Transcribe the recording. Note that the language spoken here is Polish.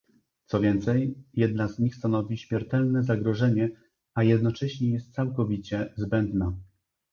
Co więcej, jedna z nich stanowi śmiertelne zagrożenie, a jednocześnie jest całkowicie zbędna